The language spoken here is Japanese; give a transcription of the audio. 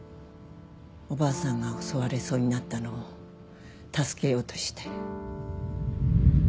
おばあさんが襲われそうになったのを助けようとして。